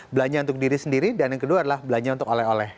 belanja untuk diri sendiri dan yang kedua adalah belanja untuk oleh oleh